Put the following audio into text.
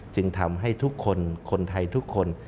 จึงทำให้ทุกคนคนไทยทุกคน